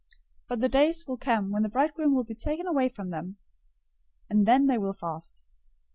But the days will come when the bridegroom will be taken away from them, and then they will fast.